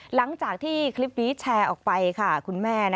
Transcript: หลังจากที่คลิปนี้แชร์ออกไปค่ะคุณแม่